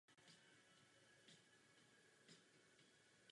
Používat rezistentní odrůdy.